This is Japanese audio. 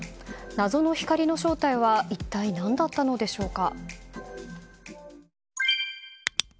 謎の光の正体は一体、何だったのでしょうか。